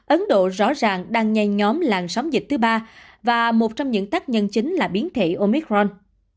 ấn độ rõ ràng đang nhen nhóm làn sóng dịch thứ ba và một trong những tác nhân chính là biến thể omicron